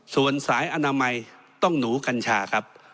ส่วนสายอนามัยต้องหนูกัญชาครับ